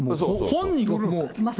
本人。